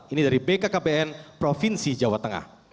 ini dari bkkbn provinsi jawa tengah